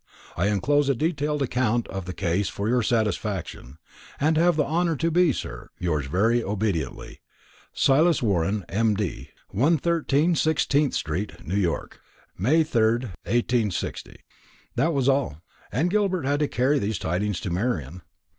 I enclose a detailed account of the case for your satisfaction, and have the honour to be, sir, "Yours very obediently, "SILAS WARREN, M.D. "113 Sixteenth street, New York, "May 3, 186 ." This was all. And Gilbert had to carry these tidings to Marian.